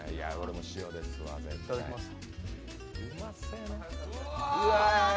いただきます。